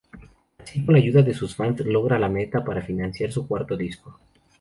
Así, con ayuda de sus fans, logra la meta para financiar su cuarto disco.